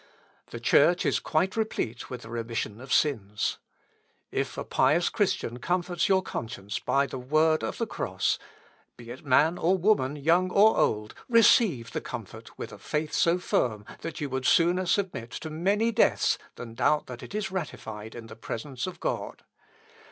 The Church is quite replete with the remission of sins. If a pious Christian comforts your conscience by the word of the cross, be it man or woman, young or old, receive the comfort with a faith so firm, that you would sooner submit to many deaths than doubt that it is ratified in the presence of God....